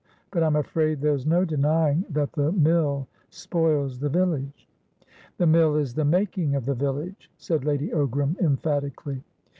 But I'm afraid there's no denying that the mill spoils the village." "The mill is the making of the village," said Lady Ogram, emphatically.